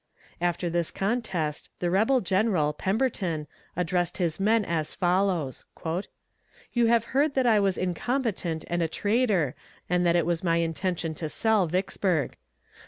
After this contest the rebel general, Pemberton, addressed his men as follows: "You have heard that I was incompetent and a traitor, and that it was my intention to sell Vicksburg.